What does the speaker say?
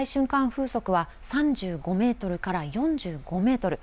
風速は３５メートルから４５メートル。